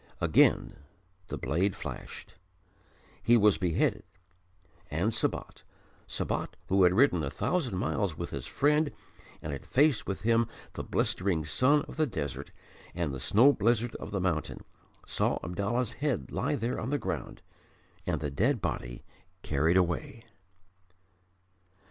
Again the blade flashed. He was beheaded, and Sabat Sabat who had ridden a thousand miles with his friend and had faced with him the blistering sun of the desert and the snow blizzard of the mountain saw Abdallah's head lie there on the ground and the dead body carried away.